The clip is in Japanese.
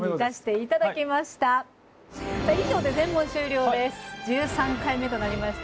以上で全問終了です。